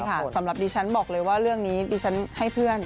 สำหรับดิฉันบอกเลยว่าเรื่องนี้ดิฉันให้เพื่อน